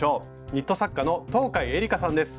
ニット作家の東海えりかさんです。